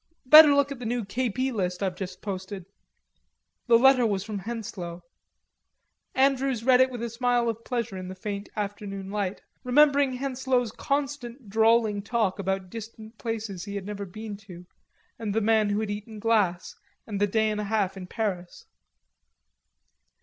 "Better look at the new K. P. list I've just posted." The letter was from Henslowe. Andrews read it with a smile of pleasure in the faint afternoon light, remembering Henslowe's constant drawling talk about distant places he had never been to, and the man who had eaten glass, and the day and a half in Paris.